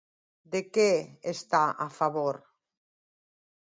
De què està a favor?